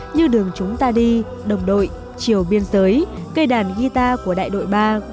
như đường chúng ta đi đồng đội chiều biên giới cây đàn guitar của đại đội ba